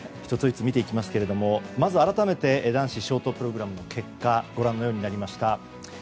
１つ１つ見ていきますがまず、改めて男子ショートプログラムの結果ご覧のようになりました。